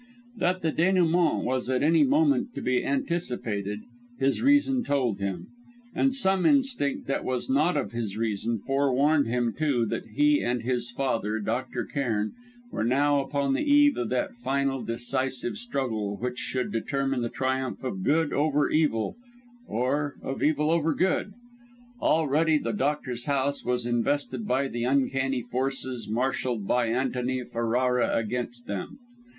That the denouément was at any moment to be anticipated, his reason told him; and some instinct that was not of his reason forewarned him, too, that he and his father, Dr. Cairn, were now upon the eve of that final, decisive struggle which should determine the triumph of good over evil or of evil over good. Already the doctor's house was invested by the uncanny forces marshalled by Antony Ferrara against them.